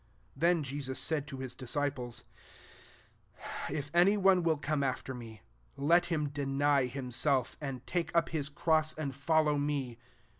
'' 24 Then Jesus said to his disciples, *<If any one will come after me, let him deny himself, and take up his cross, and fol low me.